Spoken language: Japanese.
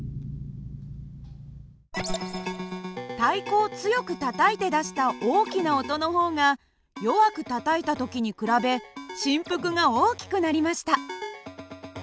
太鼓を強くたたいて出した大きな音の方が弱くたたいた時に比べ振幅が大きくなりました。